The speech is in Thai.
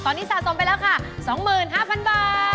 ตอนนี้สะสมไปแล้วค่ะ๒๕๐๐๐บาท